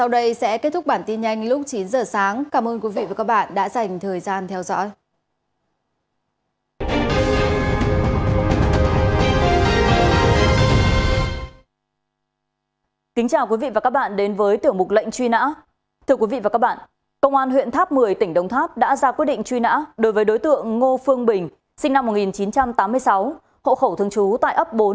đối với đối tượng ngô phương bình sinh năm một nghìn chín trăm tám mươi sáu hộ khẩu thường trú tại ấp bốn